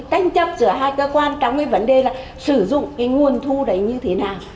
tranh chấp giữa hai cơ quan trong cái vấn đề là sử dụng cái nguồn thu đấy như thế nào